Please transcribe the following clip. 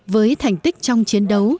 với thành tích trong chiến đấu